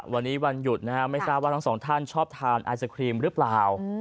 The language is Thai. วันนี้วันหยุดนะฮะไม่ทราบว่าทั้งสองท่านชอบทานไอศครีมหรือเปล่า